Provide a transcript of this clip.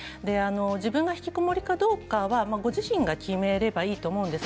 自分がひきこもりかどうかはご自身が決めればいいと思うんです。